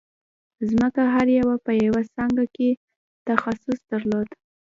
ځکه هر یوه په یوه څانګه کې تخصص درلود